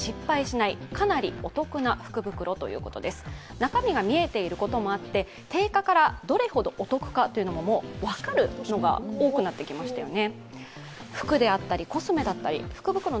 中身が見えていることもあって、定価からどれほどお得か分かるのが多くなってきましたよね。